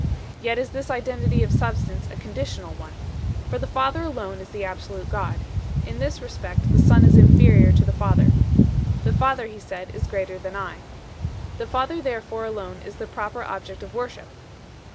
Yet is this identity of substance a conditional one, for the Father alone is the absolute God ; in this respect the Son is inferior to the Father. The Father, He said, is greater than I. The Father therefore alone is the proper object of worship.